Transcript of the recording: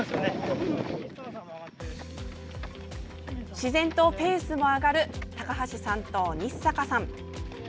自然とペースも上がる高橋さんと日坂さん。